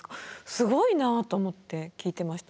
すごいなと思って聞いてました。